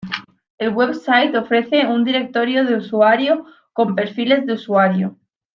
El Web site ofrece un directorio de usuario con perfiles de usuario.